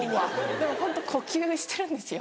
でもホント呼吸してるんですよ。